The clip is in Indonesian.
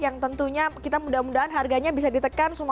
yang tentunya kita mudah mudahan harganya bisa ditekan